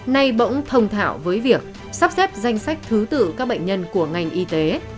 nay bỗng thông thảo với việc sắp xếp danh sách thứ tự các bệnh nhân của ngành y tế